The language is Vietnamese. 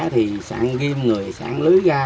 thì sạn ghim người sạn lưới ra